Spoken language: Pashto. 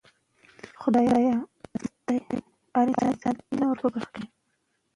هغه مهال چې محرمیت مراعت شي، ستونزې به پیدا نه شي.